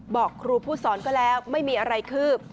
บอกครูผู้สอนก็แล้วไม่มีอะไรคืบ